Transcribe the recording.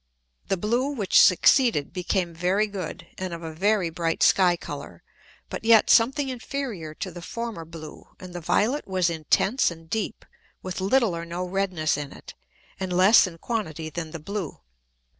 The blue which succeeded became very good, and of a very bright Sky colour, but yet something inferior to the former blue; and the violet was intense and deep with little or no redness in it. And less in quantity than the blue.